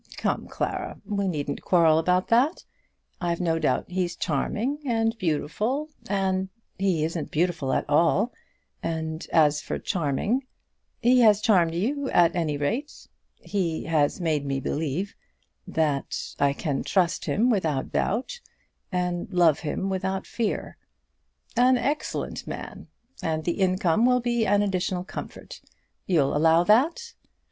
Come Clara, we needn't quarrel about that. I've no doubt he's charming, and beautiful, and " "He isn't beautiful at all; and as for charming " "He has charmed you at any rate." "He has made me believe that I can trust him without doubt, and love him without fear." "An excellent man! And the income will be an additional comfort; you'll allow that?"